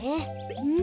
うん？